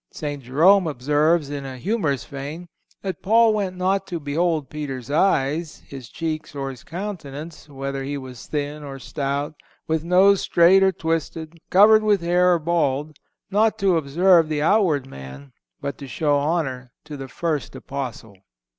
St. Jerome observes in a humorous vein that "Paul went not to behold Peter's eyes, his cheeks or his countenance, whether he was thin or stout, with nose straight or twisted, covered with hair or bald, not to observe the outward man, but to show honor to the first Apostle."